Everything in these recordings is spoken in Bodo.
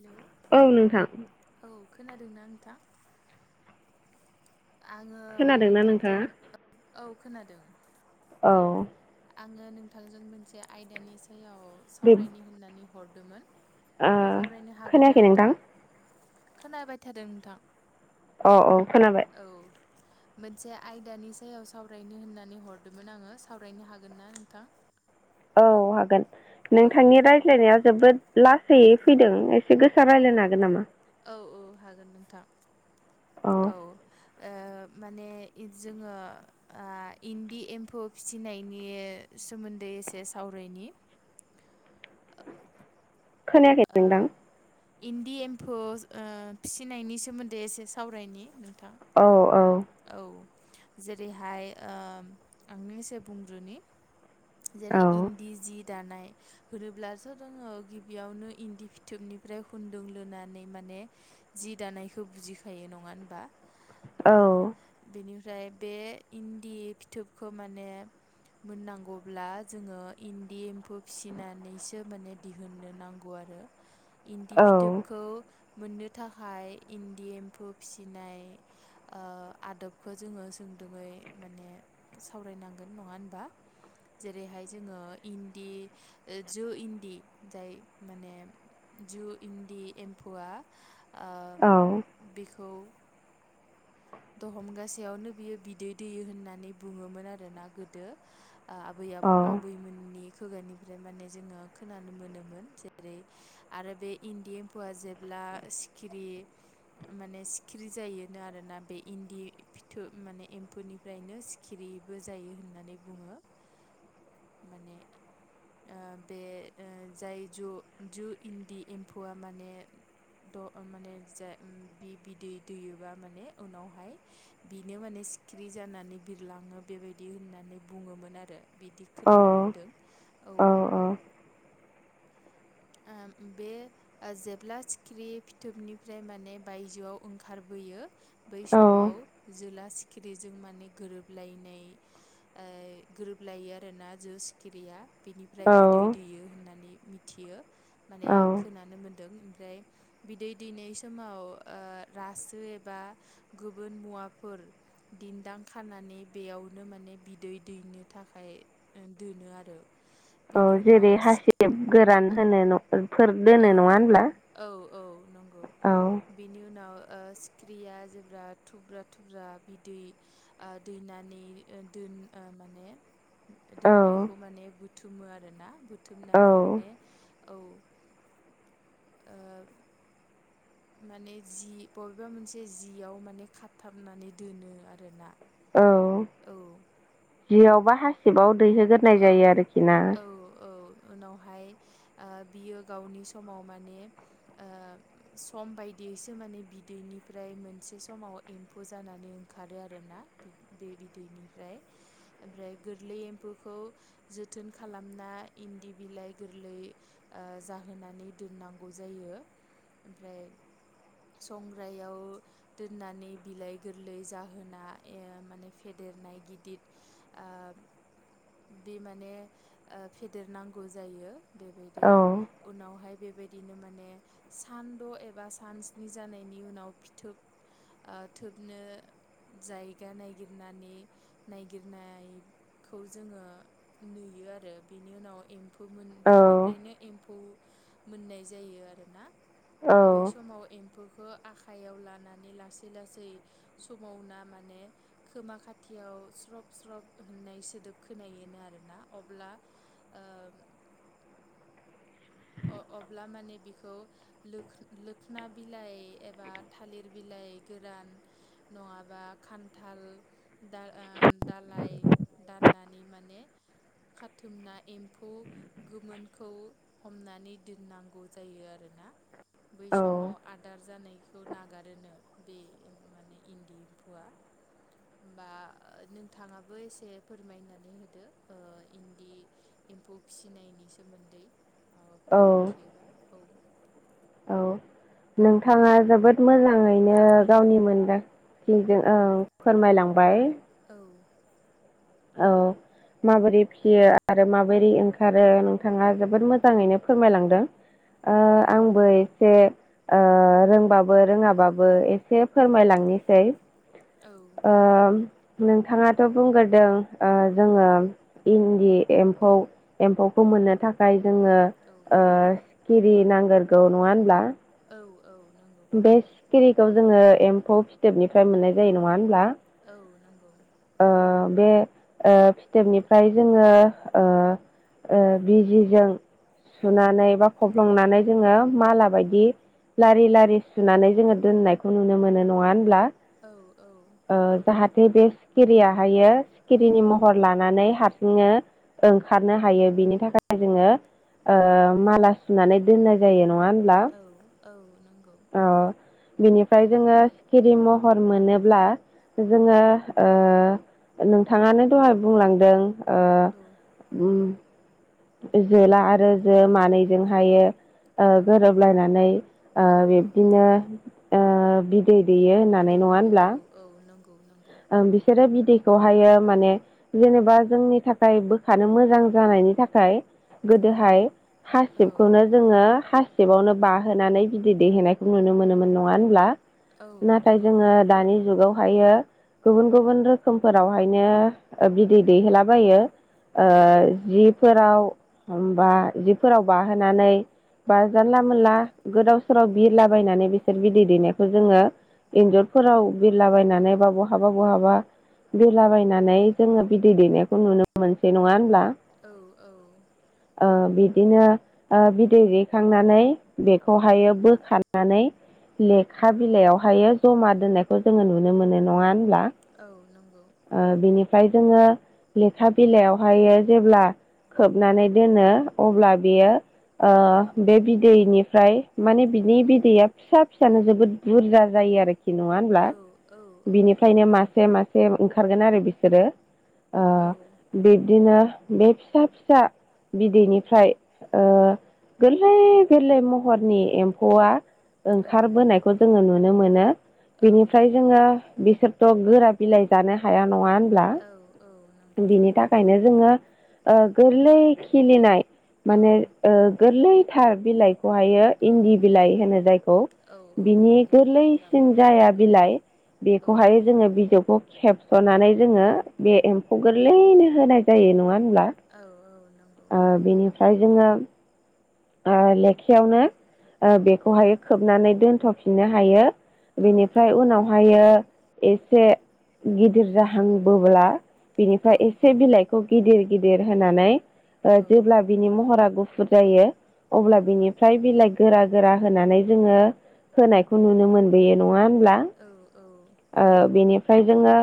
हेलौ औ नोंथां। ना नोंथां। आंङो खोनादोंना नोंथांजों नोंथाङा? औ खोनादों। औ। आंङो नोंथांजों मोनसे आयदानि सायाव बे सावरायनि होननानै हरदोंमोन। ओ सावरायनो हागोन ना खोनायाखै नोंथां? खोनाबाय थादों नोंथां। अ अ। औ। मोनसे आयदानि सायाव सावरायनो होननानै हरदोंमोन आंङो सावरायनो हागोनना नोंथां? औ हागोन औ नोंथांनि रायज्लायनाया जोबोद लासै फैदों एसे गोसा रायज्लायनो हागोन नामा? औ हागोन नोंथां औ ओ माने जोंङो इन्दि ए एम्फौ फिसिनायनि सोमोन्दै एसे सावरायनि [unintelligible] खोनायाखै नोंथां? ओ इन्दि एम्फौ ओ फिसिनायनि सोमोन्दै एसे सावरायनि,। औ औ। औ जेरैहाय ओ आंनो एसे बुंग्रोनि जेरै औ इन्दि जि दानाय होनोब्लास' दोंङो गिबियावनो इन्दि फिथोबनिफ्राय हुनदों लुनानै मान [unintelligible] माने जि दानायखौ बुजिखायो नंङा होनबा? ओ औ। बेनिफ्राय बे इन्दि फिथोबखौ माने मोननांगौब्ला जोंङो इन्दि एम्फौ फिसिनानैसो माने दिहुननो नांगौ आरो। [unintelligible] इन्दि औ फिथोबखौ मोननो थाखाय इन्दि एम्फौ फिसिनाय ओ आदबखौ जोंङो सोंदोङै माने सावरायनांगोन नंङा होनबा? जेरैहाय जोंङो इन्दि ओ जो इन्दि जाय माने जु इन्दि एम्फौआ ओ औ बेखौ दहमगासेयावनो बियो बिदै दैयो होननानै बुंङोमोन आरोना गोदो। आबै आ-आबैमोननि खुगानिफ्राय माने जोंङो खोनानो मोनोमोन जेरै आरो बे इन्दि एम्फौआ जेब्ला दा सिखिरि माने सिखिरि जायोनो आरोना बे इन्दि [unintelligible] फिथोब माने एम्फौनिफ्रायनो सिखिरिबो जायो होननानै बुंङो। माने ओ बे ए जाय ज जु इन्दि एम्फौआ माने द माने जे बि बिदै दैयोबा माने उनाव हाय बिनो माने सिखिरि जानानै बिरलाङो बेबायदि होननानै बुङोमोन आरो। बिदि खोनानो मोनदों औ। बे जेब्ला थिखिरि फिथोबनिफ्राय माने बायजोआव ओंखारबो यो बै औ समाव जोला सिखिरिजों माने गोरोबलायनाय गोरोबलायो आरोना जो सिखिरिया बिनिफ्राय बिदै दैयो होननानै मिथियो। माने औ खोनानो मोनदों ओमफ्राय बिदै दैनाय समाव ओ रासो एबा गुबुन मुवाफोर दिन्दां खानानै बेयावनो माने बिदै दै ओइनो थाखाय दोनो आरो। औ बिनि उनाव जेरै हासिब गोरान होनो न' औ, औ औ नंगौ औ बेनि उनाव ओ सिख्रिया जेब्ला थुब्रा थुब्रा बिदै दैनानै ओ माने औ दोननायखौ माने बुथुमो आरोना बुथुमनानै माने औ औ [inaudible] ओ [inaudible] माने जि बबेबा मोनसे जियाव माने खाथाबनानै दोनो आरो ना। औ जियावबा हासिबाव दैहोगोरनाय औ जायो आरोखि ना। औ औ उनावहाय आ बियो गावनि समाव माने ओ सम बाय दिसो माने बिदैनिफ्राय मोनसे समाव एम्फौ जानानै ओंखारो आरोना। बि दै निफ्राय ओमफ्राय गोरलै एम्फो खौ जोथोन खालामना इन्दि बिलाइ गोरलै ओ जाहोनानै दोन नांगौ जायो। ओमफ्राय संग्रायाव दोननानै बिलाइ गोरलै जाहोना ए माने फेदे देरनाय गिदिर ओ बे माने ओ फेदेरनांगौ जायो बेबायदि औ उनावहाय बे बायदिनो माने सानद' एबा सान स्नि जानायनि उनाव फिथोब ओ थोबनो जायगा नायगिरनानै नायगिरनायखौ जोङो नुयो आरो बेनि उनाव एम्फौमोन औ बेनिफ्रायनो एम्फौ मोननाय जायो आरोना। औ बै समाव एम्फौखो आखाइयाव लानानै लासै लासै समावना माने खोमा खाथियाव स्रब स्रब होननाय सोदोब खोनायोनो आरोना अब्ला ओ अ अब्ला माने बिखौ लोखा लोखना बिलाइ एबा थालिर बिलाइ आय गोरान नङाबा खान्थाल दा ओ दालाइ दाननानै माने खाथुमना एम्फौ गोमोनखौ हमनानै दोननांगौ जायो आरोना। बै औ समाव आदार जानायखौ नागारोनो बे माने इन्दि एम्फौआ होमबा ओ नोंथाङाबो एसे फोरमायनानै होदो ओ इन्दि एम्फौ फिसिनायनि सोमोन्दै औ माबाफोर मिथियोबा औ औ नोंथाङा जोबोद मोजाङैनो गावनि मोनदां थिजों ओं फोरमायलांबाय औ औ माबोरै फियो आरो माबोरै ओंखारो नोंथाङा जोबोद मोजाङैनो फोरमायलांदों। ओ आंबो एसे ओ रोंबाबो रोङाबाबो एसे फोरमायलांनोसै औ ओ नोंथाङाथ' बुंग्रोदों ओ जोङो इन्दि एम्फौ एम्फौखौ मोननो थाखाय जोङो औ ओ सिखिरि नांग्रोगौ नङा होनब्ला औ औ नंगौ बे सिखिरिखौ जोङो एम्फौ फिथोबनिफ्राय मोननाय जायो नङा होमब्ला? औ नोंगौ बे ओ फिथोबनिफ्राय जोङो ओ, ओ बिजिजों सुनानै बा खब्लंनानै जोङो माला बायदि लारि लारि सुनानै जोङो दोननायखौ नुनो मोनो, नङा होनब्ला। औ औ ओ नंगौ जाहाथे बे सिखिरिया दायो सिखिरिनि महर लानानै हारसिनो ओंखारनो हायो बिनि थाखाय जोङो ओ माला सुनानै दोननाय जायो। नङा होनब्ला औ औ नों औ बिनिफ्राय जोङो सिखिरि महर मोनोब्ला जोङो ओ नोंथाङानो दहाय बुंलांदों ओ औ ओम जोला आरो जो मानैजोंहायो ओ औ गोरोबलायनानै ओ औ बिब्दिनो ओ बि दै देयो होननानै नङा बिदैरि होनब्ला औ औ नंगौ नंगौ ओं बिसोरो बिदै खौहायो माने जेनेबा जोंनि थाखाय बोखानो मोजां जानायनि थाखाय औ गोदोहाय औ हासिबखौनो जोङो हा सिबावनो बाहोनानै बिदै दैेहोनायखौ नुनो मोनोमोन नङा होनब्ला। औ नाथाय नंगौ जोङो दानि जुगावहायो गुबुन गुबुन रोखोमफोरावहायनो ओ बिदै दैहोलाबायो ओ औ जिफोराव होमबा जिफोराव बाहोनानै बा जानला मोनला गोदाव सोराव बिरलाबायनानै बिसोर बिदै दैनायखौ जोङो एन्जुरफोराव बिरलाबायनानै बा बहा हाबा बहाबा बिरलाबायनानै जोङो बिदै दैेनायखौ नुनो मोनसै नङा होनब्ला औ औ ओ बिदिनो ओ बिदै दैखांनानै बेखौहायो बोखारनानै लेखा बिलाइयावहायो जमा दोननायखौ जोङो नुनो मोनो नङा होनब्ला औ नंगौ ओ बिनि फ्राय जोङो लेखा बिलाइयावहायो जेब्ला खोबनानै दोनो अब्ला बियो ओ औ बे बिदैनिफ्राय माने बिनि औ बिदैया फिसा फिसानो जोबोद बुरजा जायो आरो औ औ औ बे मासे मासे ओंखारगोन आरो बिसोरो ओ बिब्दिनो बे फिसा फिसा बिदैनिफ्राय ओ गोरलै गोरलै महरनि एम्फौआ ओंखारबोनायखौ जोङो नुनो मोनो। बिनिफ्राय औ जोङो बिसोर ओ गोरा बिलाइ जानो हाया नङा होनब्ला औ नंगौ बिनि थाखायनो जोङो ओ गोरलै खिलिनाय औ माने ओ गोरलैथार बिलाइ खौहायो औ इन्दि बिलाइ होनो जायखौ औ औ बिनि इन्दि बिलाइखौ गोरलैसिन लाबोनाय जाया जायो औ बिलाइ औ बेखौहाय जोङो बिजौखौ खेबस'नानै जोङो बे एम्फौ गोरलैनो होनाय जायो नङा होनब्ला औ नंगौ ओ बेनिफ्राय जोङो ओ लेखायावनो ओ औ बेखौहाय खोबनानै दोनथ'फिननो हायो औ बेनिफ्राय उनावहायो एसे गिदिर जाहांबोब्ला औ बिनिफाय एसे बिलाइखौ गिदिर गिदिर होनानै ओ जेब्ला बिनि महरा गु फुर जायो अब्ला औ बिनिफ्राय बिलाय गोरा गोरा होनानै जोङो होनायखौ नुनो मोनबोयो नङा होनब्ला औ ओ बेनिफ्राय जोङो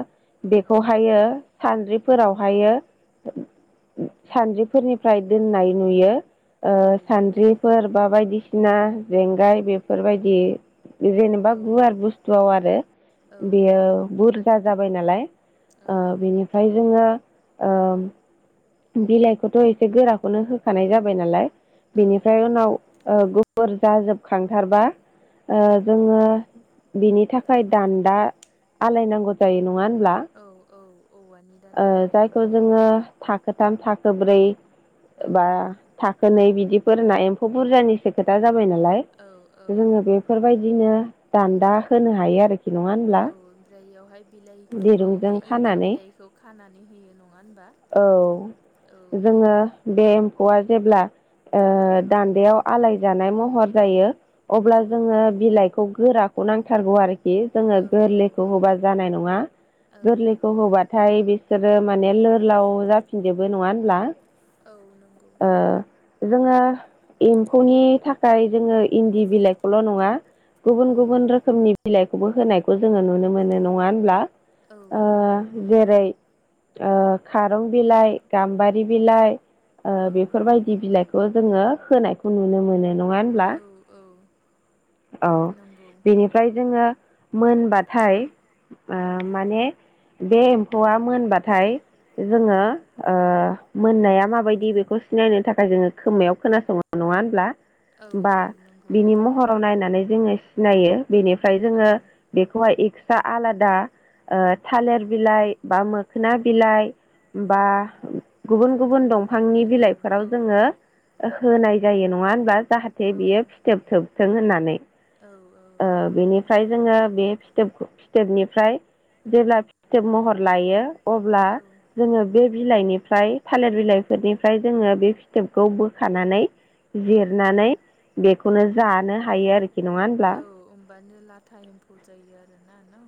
बेखौहायो सानद्रिफोरावहायो [inaudible] सानद्रिफोरनिफ्राय दोननाय नुयो ओ सानद्रिफोर बा बायदिसिना जेंगाय बेफोरबायदि जेनेबा गुवार बुस्थुआव आरो औ बेयो बुरजा जाबाय नालाय ओ बेनिफ्राय जोङो ओम बिलाइखौथ' एसे गोराखौनो होखानाय जाबाय नालाय बिनिफ्राय उनाव ओ गुफुर जाजोबखांथारबा ओ औ जोङो बिनि थाखाय दान्दा आलायनांगौ जायो नङा होन औ औ औवानि ओ दान्दा जायखौ लायनायनि जोङो थाखोथाम थाखो ब्रै औ ओ बा थाखोनै बिदिफोर होना एम्फौ बुरजानिसो खोथा जाबाय नालाय औ औ जोङो बेफोरबायदिनो दान्दा होनो हायो आरो औ ओमफ्राय इयावहाय बिलाइफोरखौ दिरुंजों बे इन्दि खानानै बिलाइखौ खानानै होयो नङा होनबा औ औ जोङो बे एम्फौआ जेब्ला ओ दान्दायाव औ आलाय जानाय महर जायो अब्ला औ जोङो बिलाइखौ गोराखौ नांथारगौ आरो खि जोङो गोरलैखौ औ होबा जानाय नङा औ गोरलैखौ होबा थाय बिसोरो माने लोरलाव जाफिनजोबो नङा होनब्ला? औ नंगौ। ओ जोङो एम्फौनि थाखाय जोङो इन्दि बिलाइखौल' नङा गुबुन औ गुबुन रोखोमनि बिलाइखौबो होनायखौ जोङो नुनो मोनो नङा होनब्ला? औ नंगौ। ओय ओ खारं बिलाइ गाम्बारि बिलाइ ओ औ बेफोरबायदि बिलाइखौ जोङो होनायखौ नुनो मोनो। नङा होनब्ला औ औ नंगौ बेनिफ्राय जोङो मोनबाथाय ओ औ माने बे एम्फौआ मोनबाथाय जोङो औ ओ मोननाया माबायदि बेखौ सिनायनो थाखाय जोङो खोमायाव खोनासंयो न नङा होनब्ला औ बा नंगौ बिनि महराव नायनानै जोङो सिनायो। बेनिफ्राय औ जोङो बेखौहाय एक्सट्रा आलादा ओ औ थालेर बिलाइ बा मोखोना बिलाइ बा औ उ गुबुन खान्थाल गुबुन बिलाइ दंफांनि बायदि बुं बिलाइफोराव औ जोङो ओ होनाय जायो नङा होनब्ला जाहाथे औ बियो फिथोब थोबथों होननानै औ औ ओ नंगौ बेनिफ्राय जोङो बे फिथोब खो फिथोबनिफ्राय जेब्ला फिथोब महर लायो अब्ला औ जोङो बे बिलाइनिफ्राय थालेर बिलाइफोरनिफ्राय जोङो बे फिथोबखौ बोखानानै औ जिरनानै बेखौनो जानो हायो आरोखि नङा होनब्ला? दिनो लाथा एम्फौ जायो आरोना न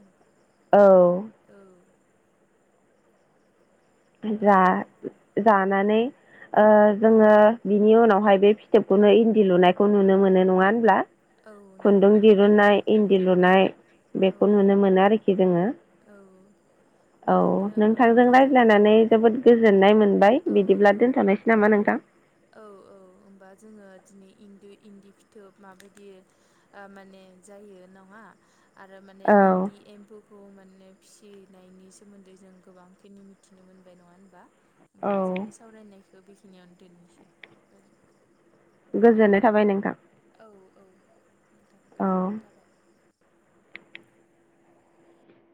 औ औ औ जा ओ जानानै ओ जोङो बिनि उनावहाय बे फिथोबखौनो इन्दि लुनायखौ नुनो मोनो नङा होनब्ला? औ खुन्दुं नंगौ दिरुनाय इन्दि लुनाय औ बेखौ नुनो मोनो आरोखि जोङो। औ औ बिदिनो ओ नोंथांजों बिदि रायज्लायनानै जोबोद गोजोननाय मोन औ औ होनबा [unintelligible] दोनथ'दोनिसै नामा नोंथां? औ औ ओमबा जोङो दिनै इन्दि इन्दि फिथोब माबायदि ओ माने जायो नङा आरो माने औ इन्दि एम्फौ खौ माने फिसिनायनि सोमोन्दै जों गोबांखिनि मिथिनो मोनबाय नङा होनबा? ओमबा औ जोंनि सावरायनायखौ बेखिनियावनो दोननोसै‌ ओज गोजोननाय थाबाय नोंथां। औ औ नोंथां औ गोजोन्नाय थाबाय।